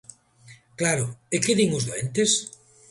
Claro, ¿é que din os doentes?